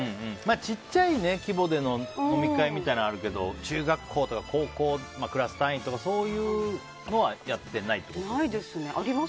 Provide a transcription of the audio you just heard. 小さい規模での飲み会みたいなのはあるけど中学校とか高校、クラス単位とかそういうのはないですね。